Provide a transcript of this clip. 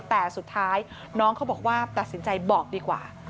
แต่สุดท้ายน้องเขาบอกว่าตัดสินใจบอกดีกว่า